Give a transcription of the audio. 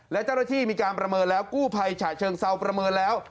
และเจ้าหน้าที่มีการประเมินแล้วกู้ภัยฉะเชิงเซาประเมินแล้ว